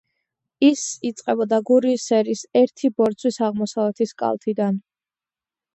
ის იწყებოდა გურიის სერის ერთი ბორცვის აღმოსავლეთის კალთიდან.